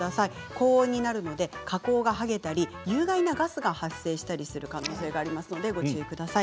高温になるので加工が溶けたり有害なガスが発生したりする可能性がありますのでご注意ください。